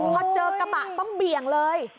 พอเจอกระบะต้องเบี่ยงเลย